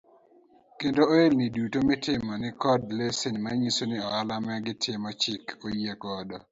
Kendo ohelni duto mitimo ni koda lesen manyiso ni ohala magitimo chik oyie godo.